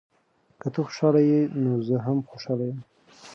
که ته خوشحاله یې، نو زه هم خوشحاله یم.